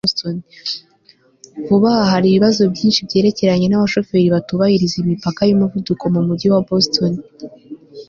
Vuba aha hari ibibazo byinshi byerekeranye nabashoferi batubahiriza imipaka yumuvuduko mumujyi wa Boston